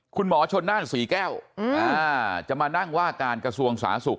คุณหมอชนน่านศรีแก้วจะมานั่งว่าการกระทรวงสาธารณสุข